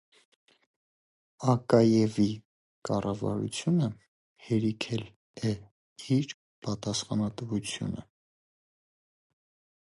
Ակաևի կառավարությունը հերքել է իր պատասխանատվությունը։